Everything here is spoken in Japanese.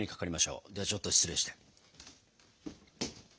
ではちょっと失礼して。